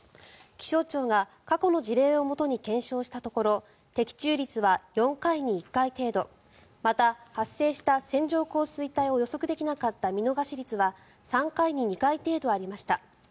気象庁が過去の事例をもとに検証したところ的中率は４回に１回程度また、発生した線状降水帯を予測できなかった見逃し率は３回に２回程度ありました。